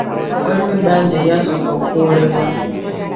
Waliwo ebbanja eryasooka okuwolebwa.